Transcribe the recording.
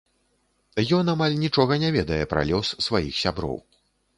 Ён амаль нічога не ведае пра лёс сваіх сяброў.